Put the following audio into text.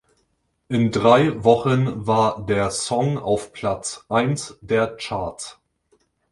In drei Wochen war der Song auf Platz eins der Charts.